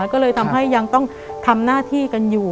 ก็เลยทำให้ยังต้องทำหน้าที่กันอยู่